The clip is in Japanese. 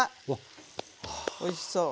おいしそう。